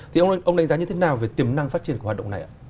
thì ông đánh giá như thế nào về tiềm năng phát triển của hoạt động này ạ